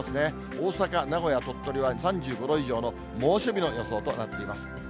大阪、名古屋、鳥取は３５度以上の猛暑日の予想となっています。